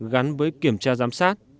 gắn với kiểm tra giám sát